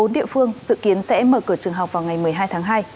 một mươi bốn địa phương dự kiến sẽ mở cửa trường học vào ngày một mươi hai tháng hai